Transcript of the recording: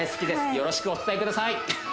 よろしくお伝えください